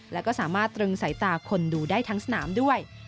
และก็สามารถตรึงสายตาคนดูได้ทั้งสนามด้วย